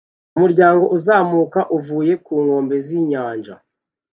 Umuryango uzamuka uvuye ku nkombe z'inyanja